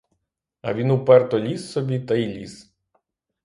А він уперто ліз собі та й ліз!